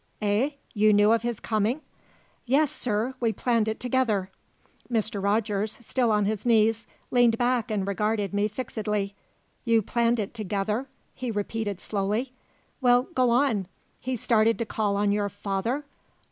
"Eh? You knew of his coming?" "Yes, sir. We planned it together." Mr. Rogers, still on his knees, leaned back and regarded me fixedly. "You planned it together?" he repeated slowly. "Well, go on. He started to call on your father?